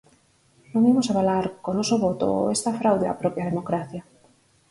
Non imos avalar co noso voto esta fraude á propia democracia.